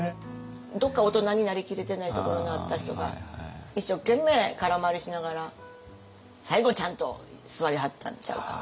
どっか大人になりきれてないところのあった人が一生懸命空回りしながら最後ちゃんと座りはったんちゃうかな。